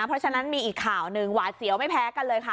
เพราะฉะนั้นมีอีกข่าวหนึ่งหวาดเสียวไม่แพ้กันเลยค่ะ